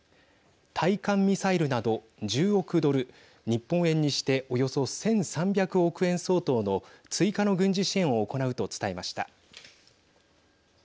対艦ミサイルなど１０億ドル日本円にしておよそ１３００億円相当の追加の軍事支援を行うと伝えました。